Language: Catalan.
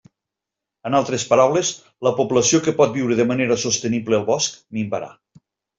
En altres paraules, la població que pot viure de manera sostenible al bosc minvarà.